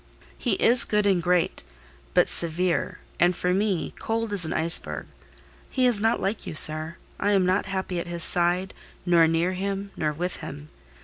He is good and great, but severe; and, for me, cold as an iceberg. He is not like you, sir: I am not happy at his side, nor near him, nor with him.